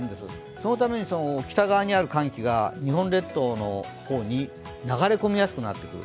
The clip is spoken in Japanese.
そのために北側にある寒気が日本列島の方に流れ込みやすくなってくる。